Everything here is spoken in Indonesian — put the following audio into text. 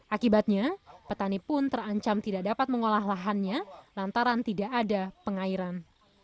akibatnya petani pun terancam tidak dapat mengolah lahannya lantaran tidak ada pengairan